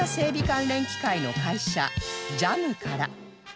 関連機械の会社ジャムから